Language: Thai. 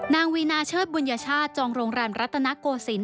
วีนาเชิดบุญญชาติจองโรงแรมรัตนโกศิลป